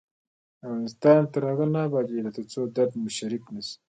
افغانستان تر هغو نه ابادیږي، ترڅو درد مو شریک نشي.